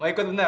mau ikut bener